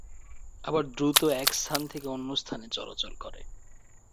আবার দ্রুত এক স্থান থেকে অন্য স্থানে চলাচল করে।